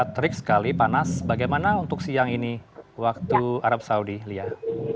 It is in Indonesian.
terik sekali panas bagaimana untuk siang ini waktu arab saudi lia